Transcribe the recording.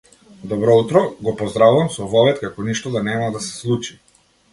Добро утро, го поздравувам со вовед како ништо да нема да се случи.